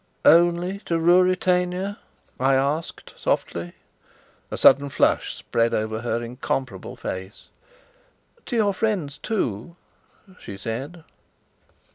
"Only to Ruritania?" I asked softly. A sudden flush spread over her incomparable face. "To your friends, too," she said.